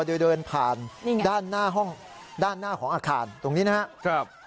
โดยเดินผ่านด้านหน้าของอาคารตรงนี้นะครับ